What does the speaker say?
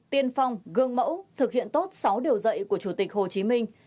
tiên phong gương mẫu thực hiện tốt sáu điều dạy của chủ tịch hồ chí minh